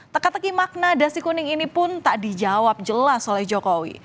teka teki makna dasi kuning ini pun tak dijawab jelas oleh jokowi